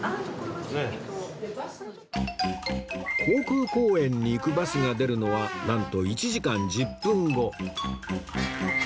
航空公園に行くバスが出るのはなんと１時間１０分後